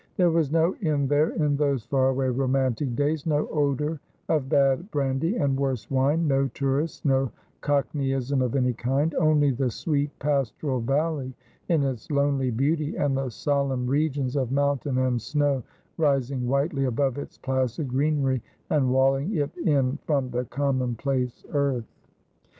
There was no inn there in those far away romantic days — no odour of bad brandy and worse wine ; no tourists ; no cockneyism of any kind — only the sweet pastoral valley in its lonely beauty, and the solemn regions of mountain and snow rising whitely above its placid greenery, and walling it in from the commonplace earth.